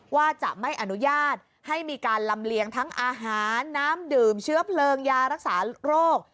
ว่าจะไม่อนุญาตให้มีการลำเลียงทั้งอาหารน้ำดื่มเชื้อเพลิงยารักษาโรค